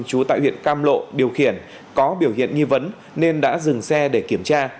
chú tại huyện cam lộ điều khiển có biểu hiện nghi vấn nên đã dừng xe để kiểm tra